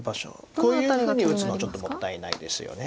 こういうふうに打つのはちょっともったいないですよね。